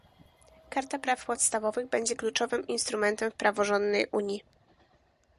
Karta praw podstawowych będzie kluczowym instrumentem w praworządnej Unii